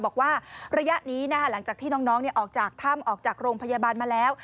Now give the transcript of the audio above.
บอกว่าระยะนี้หลังจากที่น้องออกจากถ้ำออกจากโรงพยาบาลมาแล้ว